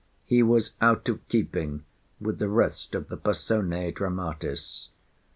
He was out of keeping with the rest of the Personæ Dramatis.